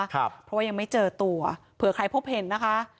เพราะว่ายังไม่เจอตัวเผื่อใครพบเห็นนะคะ